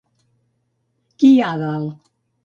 Qui hi ha dalt?